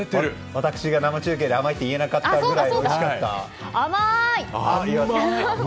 私が生中継で甘いって言えなかったくらい、おいしい。